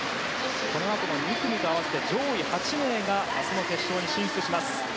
このあとの２組と合わせて上位８名が明日の決勝に進出します。